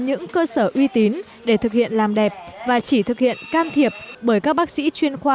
những cơ sở uy tín để thực hiện làm đẹp và chỉ thực hiện can thiệp bởi các bác sĩ chuyên khoa